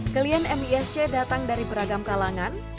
klien misc datang dari beragam kalangan